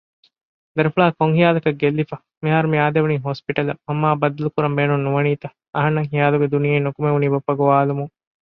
ދަރިފުޅާ ކޮންހިޔާލަކަށް ގެއްލިފަ! މިހާރުމިއާދެވުނީ ހޮސްޕިޓަލަށް މަންމައާއި ބައްދަލުކުރަން ބޭނުންނުވަނީތަ؟ އަހަންނަށް ހިޔާލުގެ ދުނިޔެއިން ނިކުމެވުނީ ބައްޕަ ގޮވާލުމުން